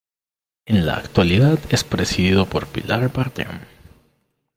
En la actualidad es presidido por Pilar Bardem.